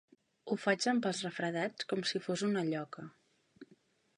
Ho faig amb els refredats com si fos una lloca.